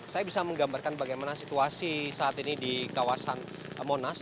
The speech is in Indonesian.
saya bisa menggambarkan bagaimana situasi saat ini di kawasan monas